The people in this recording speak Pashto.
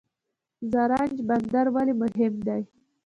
زرنج بندر ولې مهم دی؟